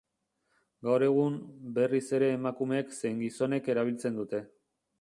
Gaur egun, berriz ere emakumeek zein gizonek erabiltzen dute.